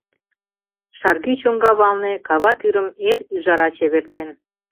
Шаргӱ чоҥга велне кава тӱрым эр ӱжара чевертен.